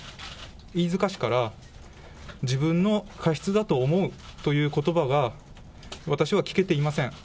飯塚氏から、自分の過失だと思うということばは私は聞けていません。